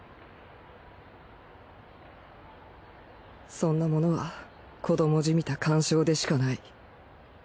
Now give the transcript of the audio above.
そんなものは子どもじみた感傷でしかない